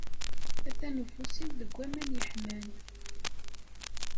Atan ufus-iw deg waman yeḥman.